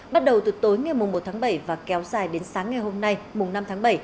bắt đầu từ tối ngày một tháng bảy và kéo dài đến sáng ngày hôm nay năm tháng bảy